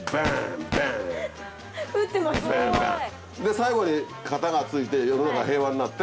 最後に片が付いて世の中平和になって。